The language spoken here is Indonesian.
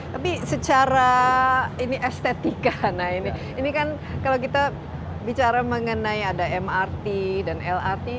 tapi secara ini estetika nah ini kan kalau kita bicara mengenai ada mrt dan lrt